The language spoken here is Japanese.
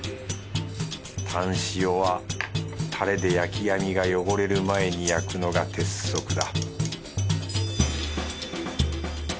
タンシオはタレで焼き網が汚れる前に焼くのが鉄則だ